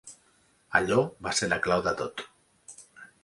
Allò va ser la clau de tot.